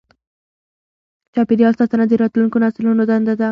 چاپېریال ساتنه د راتلونکو نسلونو دنده ده.